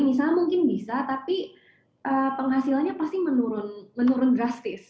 misalnya mungkin bisa tapi penghasilannya pasti menurun drastis